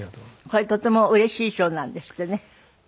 これとてもうれしい賞なんですってね。